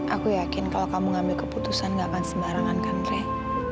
aku yakin kalau kamu ngambil keputusan gak akan sembarangan kanre